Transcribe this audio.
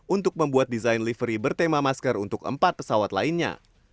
untuk membuat desain livery bertema masker untuk empat pesawat lainnya